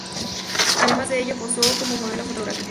Además de ello, posó como modelo fotográfica.